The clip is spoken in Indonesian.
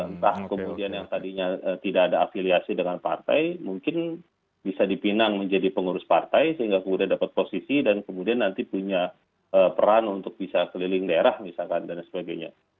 entah kemudian yang tadinya tidak ada afiliasi dengan partai mungkin bisa dipinang menjadi pengurus partai sehingga kemudian dapat posisi dan kemudian nanti punya peran untuk bisa keliling daerah misalkan dan sebagainya